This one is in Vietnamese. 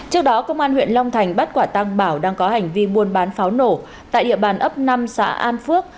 trước đó công an huyện long thành bắt quả tăng bảo đang có hành vi buôn bán pháo nổ tại địa bàn ấp năm xã an phước